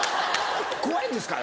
怖いんですか？